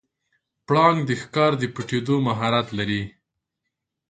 پړانګ د ښکار د پټیدو مهارت لري.